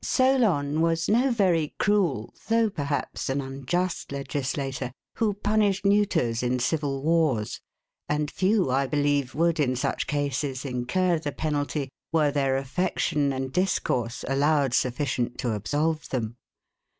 Solon was no very cruel, though, perhaps, an unjust legislator, who punished neuters in civil wars; and few, I believe, would, in such cases, incur the penalty, were their affection and discourse allowed sufficient to absolve them.